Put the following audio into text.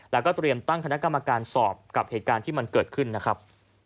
แล้วก็เตรียมตั้งคณะกรรมการสอบกับเหตุการณ์ที่มันเกิดขึ้นนะครับ